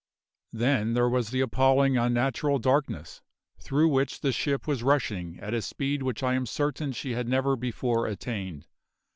Then there was the appalling unnatural darkness, through which the ship was rushing at a speed which I am certain she had never before attained.